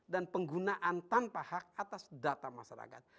dan penggunaan tanpa hak atas data masyarakat